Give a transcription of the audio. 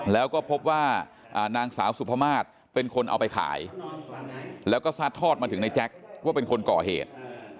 แล้วก็พบว่านางสาวสุภามาศเป็นคนเอาไปขายแล้วก็ซัดทอดมาถึงในแจ็คว่าเป็นคนก่อเหตุ